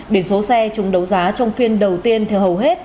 biển số xe chúng đấu giá trong phiên đầu tiên theo hầu hết